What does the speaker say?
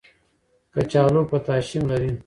کچالو پوټاشیم لري.